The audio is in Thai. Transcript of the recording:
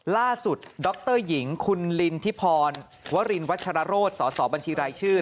ดรหญิงคุณลินทิพรวรินวัชรโรธสสบัญชีรายชื่อ